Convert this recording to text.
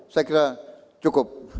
saya kira cukup